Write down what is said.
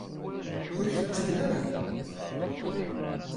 Ur ak-t-id-ttaken ara?